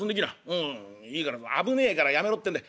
うんいいから危ねえからやめろってんだ。